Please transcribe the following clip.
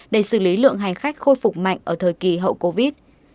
để xử lý lượng hành khách khôi phục mạnh ở thời kỳ hậu covid